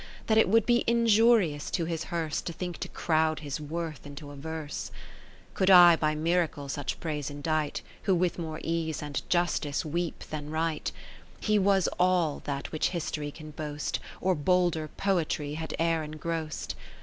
That it would be injurious to his hearse. To think to crowd his worth into a verse : Could I by miracle such praise indite, Who with more ease and justice weep than write, 20 He was all that which History can boast. Or bolder Poetry had e'er engross'd.